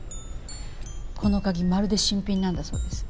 この鍵まるで新品なんだそうです。